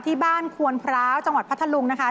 ที่บ้านควนพร้าวจังหวัดพัทธลุงนะคะ